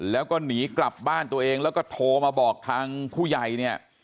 แล้วก็หนีกลับบ้านตัวเองแล้วก็โทรมาบอกทางผู้ใหญ่เนี่ย